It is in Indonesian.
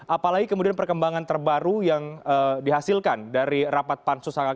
apalagi kemudian perhatiannya